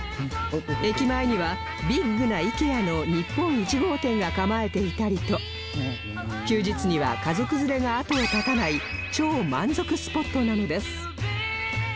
駅前にはビッグな ＩＫＥＡ の日本１号店が構えていたりと休日には家族連れが後を絶たない超満足スポットなのです